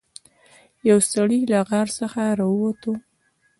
یو سړی له غار څخه راووت.